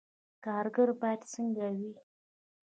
کارګر باید څنګه وي؟